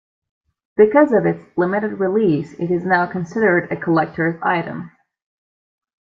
Because of its limited release, it is now considered a collector's item.